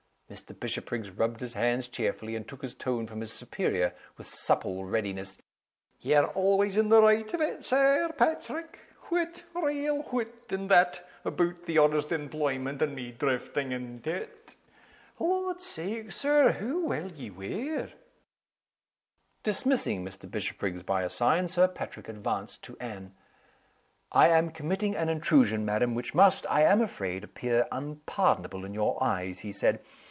Mr. Bishopriggs rubbed his hands cheerfully, and took his tone from his superior, with supple readiness, "Ye're always in the right of it, Sir Paitrick! Wut, raal wut in that aboot the honest employment, and me drifting into it. Lord's sake, Sir, hoo well ye wear!" Dismissing Mr. Bishopriggs by a sign, Sir Patrick advanced to Anne. "I am committing an intrusion, madam which must, I am afraid, appear unpardonable in your eyes," he said.